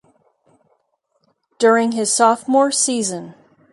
During his sophomore season.